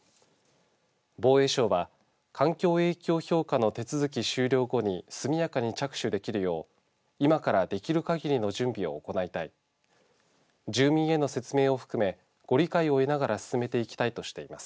防衛省は環境影響評価の手続き終了後に速やかに着手できるよう今からできるかぎりの準備を行いたい住民への説明を含めご理解を得ながら進めていきたいとしています。